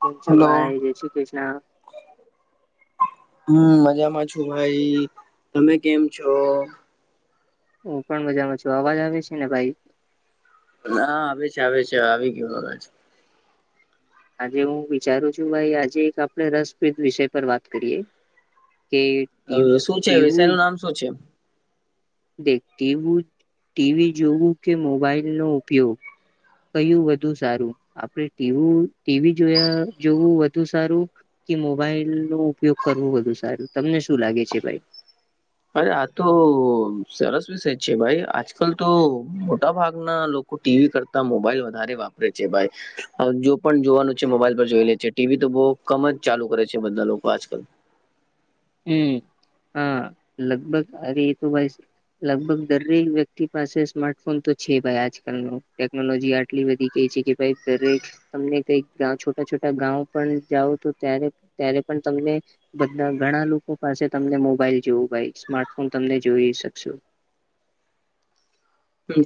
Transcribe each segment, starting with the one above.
કેમશુ hello ભાઈ જય શ્રી કૃષ્ણ. હમ મજામાં છું ભાઈ તમે કેમ છો. હું પણ મજામાં છું અવાજ આવે છે ને ભાઈ. ના આવે છે આવે છે આવી ગયયો છે. આજે હું વિચારું છું ભાઈ આજે એક આપણે રસપ્રદ વિષય પર વાત કરીએ. કે હ ટી- શું છે વિષય નું નામ શું છે. દ ટવું ટીવી જોવું કે મોબાઈલ નો ઉપયોગ. કહ્યું વધુ સારું આપડ ટી ટીવી જોયા જોવું વધુ સારું કે મોબાઈલ નો ઉપયોગ કરવો બધુ સારું તમને શું લાગે છે ભાઈ અરે આ તો સરસ વિષય છે ભાઈ આજકાલ તો મોટા ભાગનાક ટીવી કરતા મોબાઈલ વધારે વાપરે છે ભાઈ જો પણ જોવાનું છે મોબાઈલ પર જોઈ લે છે ટીવી તો બહુ કમ જ ચાલુ કરે છે બધા લોકો આજકાલ હમ હા લગભગ અ એ તો ભાઈ લગભગ દરેક વ્યક્તિ પાસે સ્માર્ટફોન તો છે ભાઈ આજકાલ ન ટેકનોલોજી આટલી બધી. કે છે કે ભાઈ દરે તમને કઈક છોટા છોટા ગાં પણ જાઓ તો ત્યારે ત્યારે પણ તમને બધા ઘણા લોકો પાસે તમને મોબાઈલ જોવું ભાઈ સ્માર્ટફોન તમને જોઈ શકશો.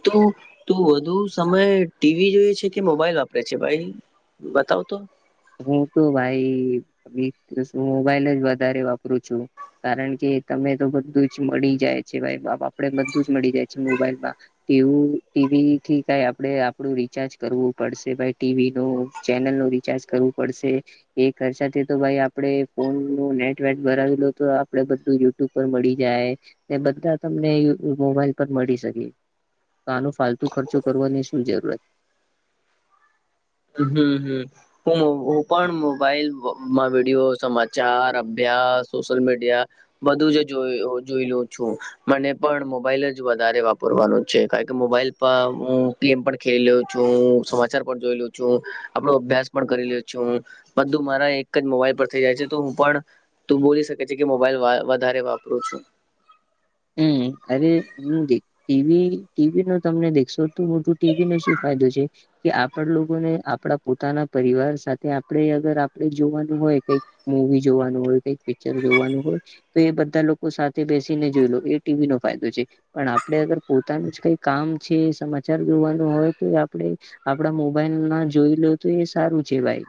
તું તું વધુ સમય ટીવી જોઈ છે કે મોબાઈલ વાપરે છે ભાઈ. બતાવ તો હું તો ભાઈ વી દિવસ મોબાઈલ જ વધારે વાપરું છું. કારણ કે તમે તો બધું જ મળી જાય છે ભાઈ આપડ બધું જ મળી જાય છે મોબાઈલમાં ટીવું ટીવી થી કઈ આપણે આપડું રીચાર્જ કરવું પડશે ભાઈ ટીવી ન ચેનલ નું રિચાર્જ કરવું પડશે. એ ખર્ચાથી તો ભાઈ આપડે ફોન નું નેટ વટ ભરાવીલો તો આપડે બધું. તું પર મળી જાય બધા તમને મોબાઈલ પર મળી શકે. તો આનો ફાલતુ ખર્ચો કરવાની શું જરૂરત. હમ હમ. હું હું પણ મોબાઈલમાં વિડીયો સમાચાર અભ્યાસ સોશયલ મીડિયા બધું જ જો જોઈ લું છું. મને પણ મોબાઈલ જ વધારે વાપરવાનું છે કારણ કે મોબાઈલ પર હું ટમ પણ ખે્યો છું સમાચાર પણ જોઈ લ છું. આપો અભ્યાસ પણ કરી લ્યો છું બધું મારા એક જ મોબાઈલ પર થઇ જાય છે તો હું પણ તું બોલી શકે છે કે મોબાઈલ વધારે વાપરું છું. [unintelligible] ટીવી ટીવી નો તમને દેખશોટું મોટું ટીવી નો શું ફાયદો છે. કે આપણા લોકોને આપડા પોતાના પરિવાર સાથે આપણે અગર આપણે જોવાનું હોય કઈક મુવી જોવાનું હોય કઈક પિક્ચર જોવાનું હોય તો એ બધા લોકો સાથે બેસીને જોઈ લો. ટીવી નો ફાયદો છે. પણ આપડ અગર પોતાનું જ કઈ કામ છે સમાચાર જોોવાનું હોય તો એ આપણે આપડા મોબાઈલ ના જોઈ લો તો એ સારું છે ભાઈ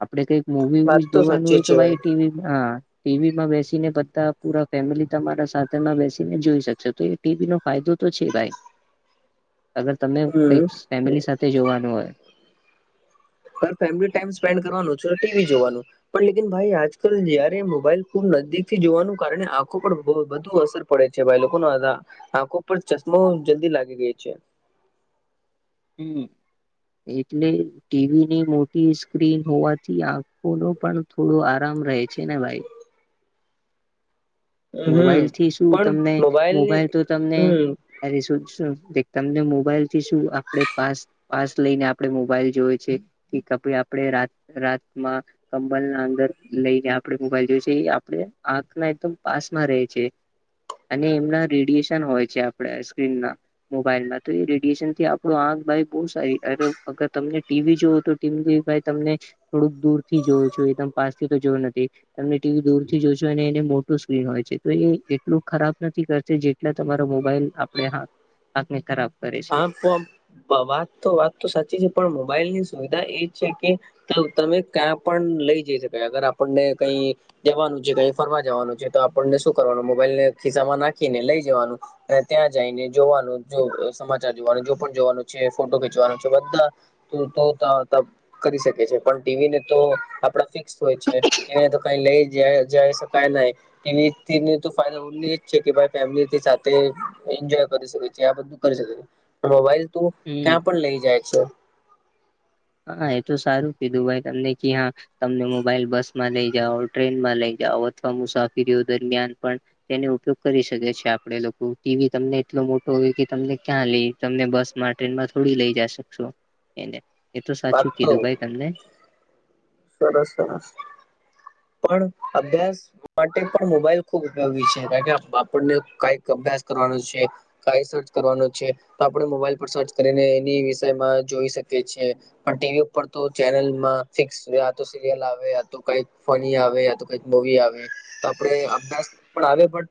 આપડે કઈ વાત મૂવીવી તો ધોવાનું સાચી હોય તો છે ભાઈ ટીવી હા ટીવી માં બેસીને બધા પુરા ફેમિલી તમારા સાથે તેમાં બેસીને જોઈ શકશો તો એ ટીવી નો ફાયદો તો છે ભાઈ. અગર તમે હમ કઈક ફેમિલી સાથે જોવાનું હોય. ઘ ફેમિલી ટાઈમ સ્પેન્ડ કરવાનું છ ટીવી જોવાનું. પણ લેક ભાઈ આજકાલ જયારે મોબાઈલ ખુબ નજદીક થી જોવાનું કારણે આંખો પર વધુ અસર. પડે છે ભાઈ લોકો ન આ આંખો પર ચશ્મો જલ્દી લાગી ગઈ છે. હમ એટલે ટીવીની મોટી સ્ક્રીન હોવાથી આંખો નો પણ થોડો આરામ રહે છે ને ભાઈ. મોબાઈલ હમ થી શું પણ તમને મોબાઈલની મોબાઈલ તો તમને. હમ અ શુંું તમને મોબાઈલ થી શું આપડ પાસ પાસ લઈને આપડણે મોબાઈલ જોવે છે કે આપણે રાત રાતમાં કંબલ ના અંદર લઈને આપડે મોબાઈલ જોયું છે એ આપડણે આંખ ના એક તો પાસમાં રહે છે અને એમના રેડિયેશન હોય છે આપડા સ્ક્રીન ના મોબાઈલમાં તો એ રેડિયશન થી આપડો આંખ બારી બહુ સારી અગર તમને ટીવી જોવ તો ટીમ જો ભાઈ તમને થોડુંક દૂર થી જોવું છું એકદમ પાસથી તો જોવું નથી તમને ટીવી દૂર થી જો છું અને એને સ્ હોય છે તો એ એટલું ખરાબ નથી કરતી જેટલા તમારો મોબાઈલ આપણે હા. આપને ખરાબ કરે છે હા વાત તો વાત તો સાચી છે પણ મોબાઈલ ની સુવિધા એ છે કે તો તમે ક્યાં પણ લઈ જઈ શકાય અગર આપણને કઈ જવાનું છે કઈ ફરવા જવાનું છે તો આપણને શું કરવાનું મોબાઈલને ખિસ્સામાં નાખીને લઈ જવાનું. ત્યાં જઈને જોવાનું સમાચાર જોવાનું જો પણ જોવાનું છે ફોટો ખેચવાનું છે બધા તો ત કરી શકે છે પણ ટીવીને તો આપડા ફિક્સ હોય છે. એને તો કઈ લઈ જ જઈ શકાય નહી. એને તો ફાયદા ઓ એજ છે કે ભાઈ ફેમિલી સાથે એન્જોય કરી શકે છે બધું. મોબાઈલ તું હમ ક્યાં પણ લઈ જાય છે. હા એ તો સારું કીધું ભાઈ તમને ક હા તમને મોબાઈલ બસમાં લઈ જાઓ ટ્રેનમાં લઈ જાઓ અથવા મુસાફરીઓ દરમિયાન પણ તેનો ઉપયોગ કરી શકે છે આપે લોકો ટીવી તમને એટલો મોટો હોય કે તમને ક્યાં લઈ તમને બસ માટે ટ્રેનમાં થોડી લઈ જ શકશો એને એ તો વાત સાચું તો કીધું ભાઈ તમને સરસ સરસ પણ અભ્યાસ. માટે પણ મોબાઈલ ખુબ ઉપયોગી છે કારણ કે આપણને કઈક અભ્યાસ કરવાનો છે. કઈ સર્ચ કરવાનું છે તો આપણે મોબાઈલ પર સર્ચ કરીને એની વિષયમાં જોઈ શકીએ છીએ. પણ ટીવી ઉપર તો ચેનલમાં ફિક્સ આ તો સિરિયલ આવે આ તો કઈક ફની આવે યા તો કઈક મુવી આવે તો આપણે અભ્યાસ પણ આવે પણ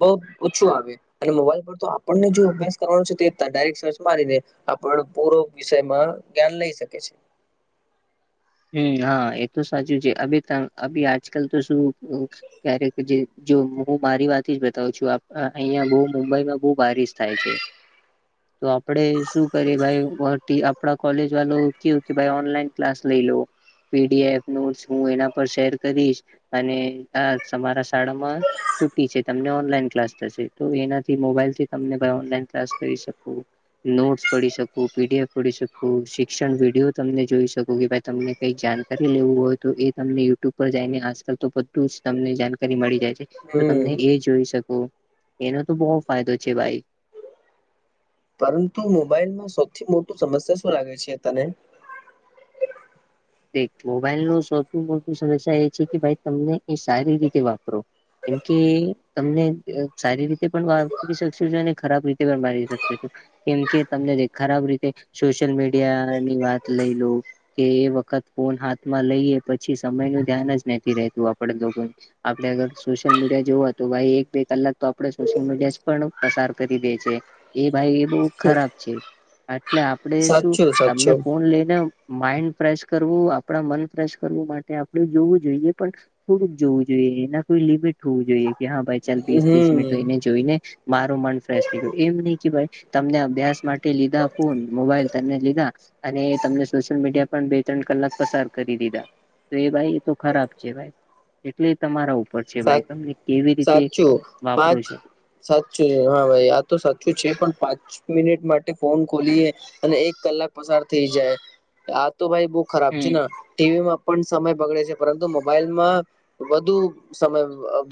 બહ ઓછું આવે અને મોબાઈલ પર તો આપણને જો અભ્યાસ કરવાનો છે તે ડાયરેક્ટ સર્ચ મારીને આપણ પૂરો વિષયમાં જ્ઞાન લઈ શકે છે. હમ હા એ તો સાચું છે અ આજકાલ તો શું. ક્યારેક જે જો હું મારી વાત જ બતાવું છું અહિયાં બહ મુંબઈમાં બહુ બારિશ થાય છે. [inaudible] તો આપડે શું કરીએ ભ આપડા કોલેજ વાલો કેવું કે ઓનલાઈન ક્લાસ લઈ લો પીડીએફ નોટસ હું એના પર શેર કરીશ અને આ તમારા શાળામાં છૂટી છે તમને ઓનલાઈન ક્લાસ થશે. તો એનાથી મોબાઈલથી તમ ઓનલાઈન ક્લાસ કરી શું નોટ્સ પડી શકું પીડીએફ પડી શકું શિક્ષણ વિડીયો તમને જોઈ શકું કે ભાઈ તમને કઈક જાણકારી લેવું હોય તો એ તમને યુટ્યુબ પર જઈને આજકાલ તો [inaudible] જ તમને જાણકારી મળી જાય. તો હમ તમને એ જોઈ શકો એનો તો બહ ફાયદો છે ભાઈ પરંતુ મોબાઈલમાં સૌથી મોટું સમસ્યા શું લાગે છે તને? મોબાઈલ ન સૌથી મોટું સમસ્યા એ છે કે ભાઈ તમને એ સારી રીતે વાપરો. કેમ કે તમને સારી રીતે પણ વાપરી શકશો છો અને ખરાબ રીતે પણ વારી શકશ છો. કેમ કે તમને ખરાબ રીતે સોશિયલ મીડિયા ની વાત લઈ લો કે એ વતે ખત ફોન હાથ માં લઈએ પછી સમય નું ધ્યાન જ નથી રેતું આપણે લોકો. આપડે અગર સોશિયલ મીડિયા જોવા તો ભાઈ એક બે કલાક તો આપડે સોશિયલ મીડિયા જ પણ પસાર કરી દે છે. એ ભાઈ એ બહ ખરાબ છે એટલે [unintelligible] સાચું તમને સાચું ફોન લઈને માન્ડ ફેશ કરવું આપણા મન ફ્રેશ કરવું માટે આપણે જોવું જોઈએ પણ થોડુંક જોવું જોઈએ એના કોઈ લિમિટ હોવું જોઈએ કે હા ભાઈ ચાલ વીસ ત્રીસ મિનિટ હો હમ એને જોઈ ને મારું મન ફ્રેશ થઈ ગયું એમ નહિ કે ભાઈ તમને અભ્યાસ માટે લીધા ફોન મોબાઈલ તને લીધા અને તમને સોશિયલ મીડિયા પણ ત્રણ કલાક પસાર કરી દીધા તો એ ભાઈ એ તો ખરાબ છે ભાઈ. એટલે તમારા ઉપર છે સાચ ભાઈ તમને કેવી રીતે સાચું વાપરો પાંચ છો સાચું હા ભાઈ આ તો સાચું છે પણ પાંચ મિનિટ માટે ફોન ખોલીએ અને એક કલાક પસાર થઈ જાય આ તો ભાઈ બો ખરાબ છે હમ ને ટીવીમાં પણ સમય બગડે છે પરંતુ મોબાઈલમાં વધુ સમય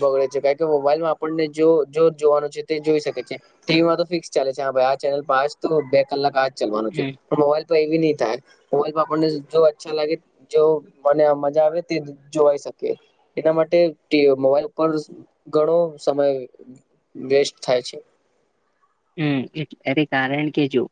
બગડે કે મોબાઈલમાં આપણને જો જો જોવાનું છે તે જોઈ શકે છે. ટીવીમાં તો ફિક્સ ચાલે છે હા ભાઈ આ ચેનલ પા તો બે કલાક આજ ચાલવાનું છે. હમ મોબાઈલ પર એવી નહી થાય મોબાઈલ પર આપણને જો અચ્છા લાગે જો મને મજા આવે તે જોવાઈ શકે એના માટે મોબાઈલ ઉપર ઘણો સમય વેસ્ટ થાય છે. હમટ એને કારણ કે જો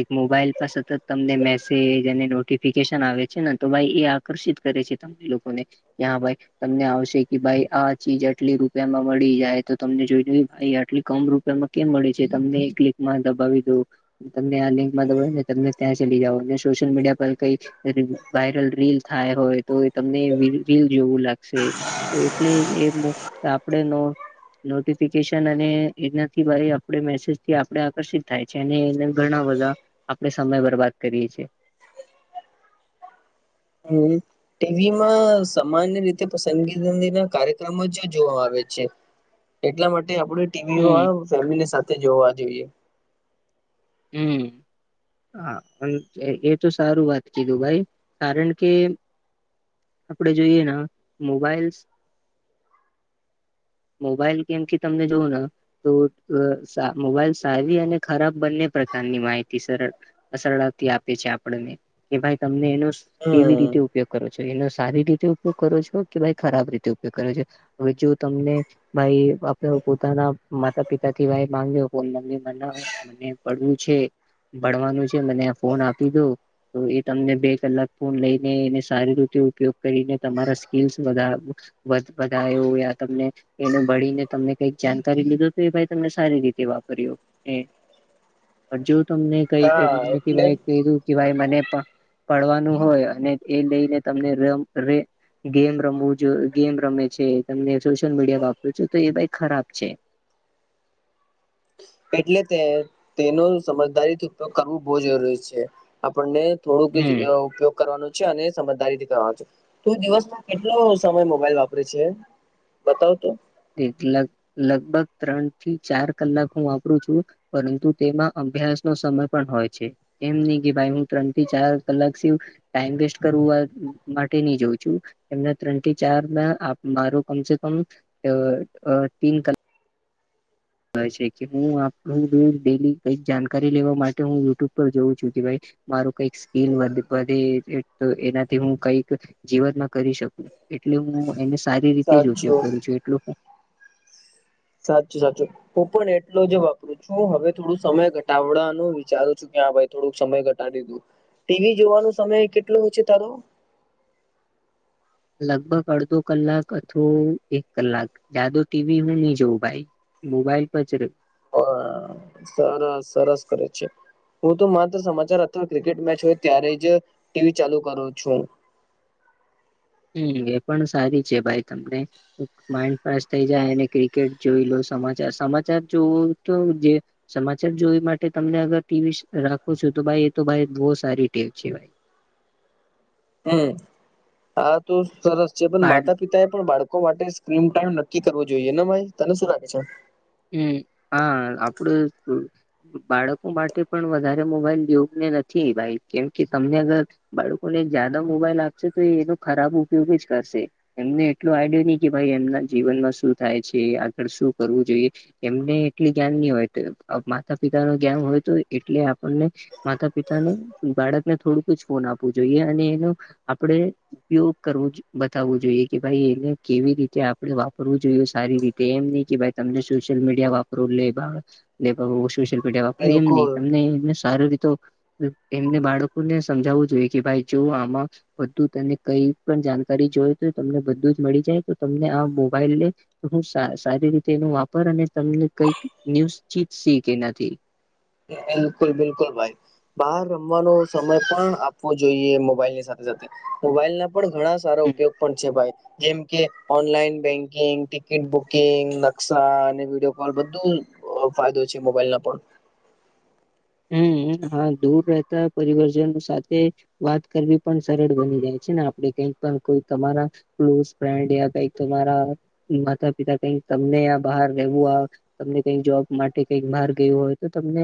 એક મોબાઈલ પર સતત તમને મેસેજ અને નોટિફિકેશન આવે છે ને તો ભાઈ એ આકર્ષિત કરે છે. લોકોને કે હા ભાઈ તમને આવશે કે ભાઈ આ ચીજ આટલી રૂપિયામાં મળી જાય તો તમને જોઈ દ ભાઈ આટલી કમ ર એમાં કેમ મળે છે તમને ક્લિકમાં દબાવી દઉ. તમને આ લિંક માં દબો ને તમને ત્યાં ચલી જઓ ને સોશિયલ મીડિયા પર કઈક વાયરલ રીલ થાય હોય તો તમને રીલ જોવું લાગશે. તો એટલે આપણે ન નોટિફિકેશન અને એનાથી આપ આપ મેસેજથી આપણે આકર્ષિત થાય છે અને એને ઘણા બધા આપણે સમય બરબાદ કરીએ છીએ. હમ. ટીવીમાં સામાન્ય રીતે પસંદગી ના કાર્યક્રમો જ જોવા આવે છે એટલા માટે આપણે હમ ટીવીમાં ફેમિલી સાથે જોવા જોઈએ. હમ. હા એ તો સારું વાત કીધું ભાઈ કારણ કે આપણે જોઈએ મોબાઈલ્સ મોબાઈલ ગેમ થી તમને જોવું ને તો મોબાઈલ સારી અને ખરાબ બંને પ્રકારની માહિતી સર સરળતી આપે છે આપણને કે ભાઈ તમને એનો કેવી હમ રીતે ઉપયોગ કરો છો એનો સારી રીતે ઉપયોગ કરો છો કે ભાઈ ખરાબ રીતે ઉપયોગ કરો છો હવે જો તમને ભાઈ આપ પોતાના માતા પિતા થી ભાઈ, માંગ્યો મમ્મી મ મ પડવું છે, ભણવાનું છે મને ફોન આપી દો તો એ તમને બે કલાક ફોન લઈને, એને સારી રીતે ઉપયોગ કરીને તમારા સ્કીલસ વધ બધા એવું તમને એને ભળીને તમને કઈક જાણકારી, લીધો તો એ ભાઈ તમને સારી રીતે વાપર્યો એ પણ જો તમને કઈ કધું હા કે એટલે ભાઈ મને પણ પડવાનું હોય, અને એ લઈને તમને ર રે ગેમ રમવું જો ગેમ રમે છે તમને સોશિયલ મીડિયા વાપરું છુ, તો એ ભાઈ ખરાબ છે. એટલે તે તેનો સમજદારીથી ઉપયોગ કરવો બહુ જરૂરી છે, આપણને થોડુંક જ હમ ઉપયોગ કરવાનું છે અને સમજદારીથી કરવાનું છે, તું દિવસમાં કેટલો સમય મોબાઈલ વાપરે છે? બતાવ તો લગભગ ત્રણ થી ચાર કલાક હુ વાપરું છું. પરંતુ તેમાં અભ્યાસ નો સમય પણ હોય, છે. એમ નહી, કે ભાઈ હું ત્રણ થી ચાર કલાક સિવ ટાઈમ વેસ્ટ કરું માટે નહી જોઉ છુ. એને ત્રણ થી ચાર ના માર કમસે કમ અ કલા છે, કે હું ડેલી કક જાણકારી લેવા માટે હું યુટ્યુબ પર જોઉં છુ કે ભાઈ. મારું કઈક સ્કીલ, વધે તો એનાથી હું કઈક. જીવનમાં કરી શકું એટલે હું એને સારી રીતે જ ઉપયોગ સાચું કરું છુ, એટલો હુ સાચું- સાચું હું પણ એટલો જ વાપરું છું, હવે થોડું સમય ઘટાાવડાનો વિચારું છું કેં ભાઈ. થોડુંક સમય ઘટાડી દીધું ટીવી જોવાનું સમય કેટલો ચે તારો? લગભગ અડધો કલાક અથવો એક કલાક જાદો ટીવી હું નહી, જોઉં ભાઈ. મોબાઈલ પચડ અ, સરસ સરસ કરે છે. હું તો માત્ર સમાચાર અથવા ક્રિકેટ મેચ હોય ત્યારે જ ટીવી ચાલુ કરું છું. હમ એ પણ સારી છે. ભાઈ તમને માઇન્ડ ફ્રેશ થઈ જાય ક્રિકેટ જોઈ લો સમાચાર સમાચાર જોવું તો જે સમાચાર જોવી માટે તમને અગર ટીવી રાખો છો, તો ભાઈ એ તો ભ બહ સારી ટેવ છે ભાઈ. હમ હા તો સરસ છે, પણ બાર માતા પિતા એ પણ બાળકો માટે સ્ક્રીમ ટાઈમ નક્કી કરવો જોઈએ ને ભાઈ તને શું રાગ છે? હ હા અપડ બાળકો માટે પણ વધારે મોબાઈલ યોગ્ય નથી. ભાઈ કેમ કે તમને અગર બાળકોને જાદા મોબાઈલ આપશે તો એ એનો ખરાબ ઉપયોગ જ કરશે. એમને એટલું આડય નહી કે ભાઈ એમના જીવનમાં શું થાય છે. આગળ શું કરવું જોઈએ એમને એટલી જ્ઞાન નહી હોય, માતા પિતા નું જ્ઞાન હોય તો એટલે આપણને. માતા પિતાને બાળકને થોડુંકું જ ફોન આપવું જોઈએ અને એનું આપડે ઉપયોગ કરવો બતાવવું જોઈએ કે ભાઈ એને કેવી રીતે આપણે વાપરવું જોઈએ સારી રી તેમ નહિ કે ભાઈ તમને સોશિયલ મીડિયા વાપર લે સોશિયલ વાપરી એમ નહી, બિલકુલ તમને એમને સાર રીતો એમને બાળકોને સમજાવવું જોઈએ કે ભાઈ જો આમાં બધું તને કઈ પણ જાણકારી જોય તો તમને બધું જ મળી જાય તો તમને આ મોબાઈલ. હું સારી રીતે એનો વાપર અને તમને કઈક ન્યુચ શીકે એનાથી. બિલકુલ બિલકુલ ભાઈ બહાર રમવાનો સમય પણ આપવો જોઈએ મોબાઈલ ની સાથે સાથે મોબાઈલ ના પણ ઘણા સારા હમ ઉપયોગ પણ છે, ભાઈ. જેમ કે ઓનલાઈન બેન્કિંગ, ટિકિટ બુકિંગ, નકશા અને વિડીિયો કોલ બધું. ફાયદો છે. મોબાઈલ ના પણ હમ હા દૂર રહેતા પરિવરજનો સાથે વાત કરવી પણ સરળ બની જાય છે, ને આપડે કઈક પણ કોઈ તમારા ક્લોઝ ફ્રેન્ડ કઈક તમારા માતા પિતા કઈક તમને આ બહાર રહેવું આ તમને કઈ જોબ માટે કઈક બહાર ગયું હોય તો તમને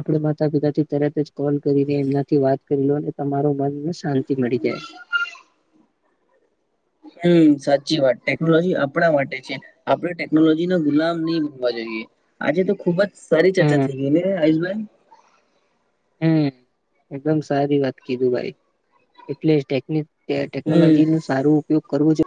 આપણે માતા પિતા થી તરત જ કોલ કરીને એમનાથી વાત કરી લો તમારો મનને શાંતિ મળી જાય. હમ સાચી વાત ટેકનોલોજી આપણા માટે છે. આપણે ટેકનોલોજી નો ગુલામ નહી ભગવા જોઈએ આજે તો ખુબ જ સારી ચર્ચા હમ થઈ ગઈ ને આયુષભાઈ? હમ એકદમ સારી વાત કીધું ભાઈ, એટલે ટેકિક હમ ટેકનોલોજી ન સારું ઉપયોગ કરવો જ